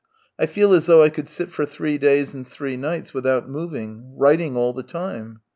I feel as though I could sit for three days and three nights without moving, writing all the time.